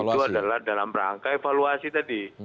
itu adalah dalam rangka evaluasi tadi